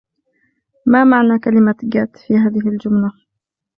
ما معنى كلمة " get " في هذه الجملة ؟